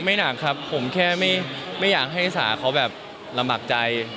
หนักครับผมแค่ไม่อยากให้สาเขาแบบลำบากใจ